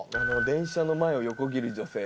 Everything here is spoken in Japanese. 電車の前を横切る女性